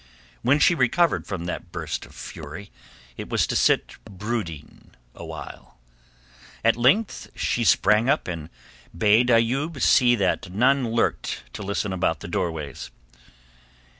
When she recovered from that burst of fury it was to sit brooding awhile. At length she sprang up and bade Ayoub see that none lurked to listen about the doorways.